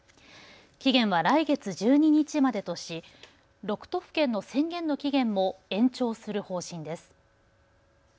期限は来月１２日までとし６都府県の宣言の期限も延長する方針です。